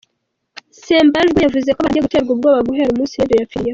Ssembajwe yavuze ko batangiye guterwa ubwoba guhera umunsi Radio yapfiriyeho.